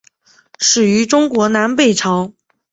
始于中国南北朝。